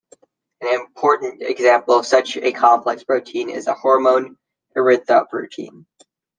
An important example of such a complex protein is the hormone erythropoietin.